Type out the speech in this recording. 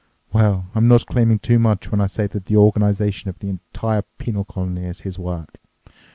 Well, I'm not claiming too much when I say that the organization of the entire penal colony is his work.